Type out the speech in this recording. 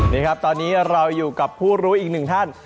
นี่ครับตอนนี้เราอยู่กับผู้รู้อีกหนึ่งท่าน